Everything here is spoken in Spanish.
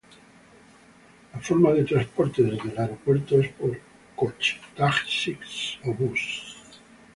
La forma de transporte desde el aeropuerto es por coche, taxi o bus.